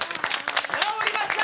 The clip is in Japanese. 治りました！